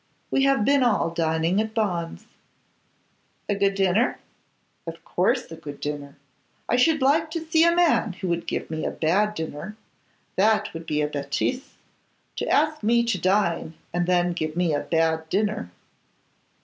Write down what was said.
We have been all dining at Bond's.' 'A good dinner?' 'Of course a good dinner. I should like to see a man who would give me a bad dinner: that would be a bêtise, to ask me to dine, and then give me a bad dinner.